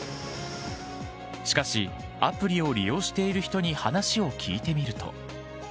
しかし、アプリを利用している人に話を聞いてみると。